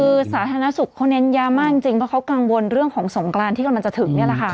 คือสาธารณสุขเขาเน้นย้ำมากจริงเพราะเขากังวลเรื่องของสงกรานที่กำลังจะถึงนี่แหละค่ะ